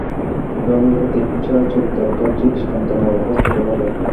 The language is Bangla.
এভাবেই প্রতিহিংসা চরিতার্থ হচ্ছে দৃষ্টান্তমূলক শাস্তির অভাবে।